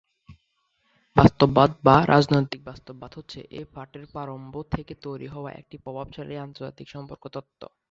বাস্তববাদ বা রাজনৈতিক বাস্তববাদ হচ্ছে এই পাঠের প্রারম্ভ থেকে তৈরি হওয়া একটি প্রভাবশালী আন্তর্জাতিক সম্পর্ক তত্ত্ব।